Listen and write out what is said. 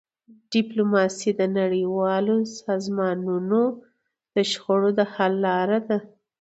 ډيپلوماسي د نړیوالو سازمانونو د شخړو د حل لاره ده.